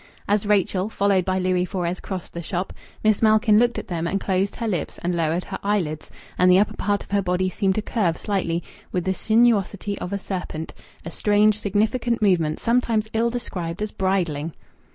As Rachel, followed by Louis Fores, crossed the shop, Miss Malkin looked at them and closed her lips, and lowered her eyelids, and the upper part of her body seemed to curve slightly, with the sinuosity of a serpent a strange, significant movement, sometimes ill described as "bridling."